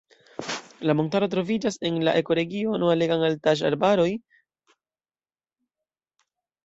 La montaro troviĝas en la ekoregiono alegan-altaĵaj arbaroj.